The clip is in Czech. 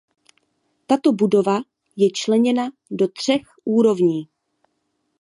Tato budova je členěna je do třech úrovní.